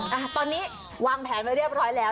ตอนนี้วางแผนมาเรียบร้อยแล้ว